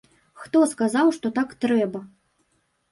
Хто сказаў, што так трэба?